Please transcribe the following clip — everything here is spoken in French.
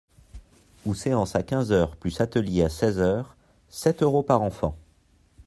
Ou séance à quinze heures plus atelier à seize heures : sept euros par enfant.